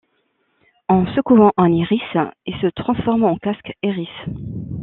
En secouant un Hériss, il se transforme en casque Hériss.